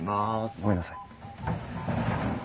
ごめんなさい。